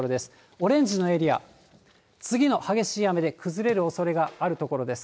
オレンジのエリア、次の激しい雨で崩れるおそれがある所です。